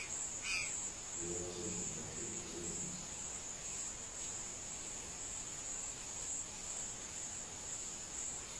Я Вас очень прошу - займитесь.